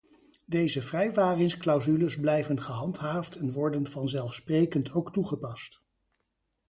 Deze vrijwaringsclausules blijven gehandhaafd en worden vanzelfsprekend ook toegepast.